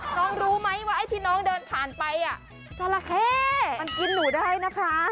น้องรู้ไหมว่าไอ้ที่น้องเดินผ่านไปจราเข้มันกินหนูได้นะคะ